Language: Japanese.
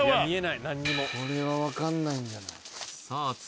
見えない何にもこれは分かんないんじゃないさあ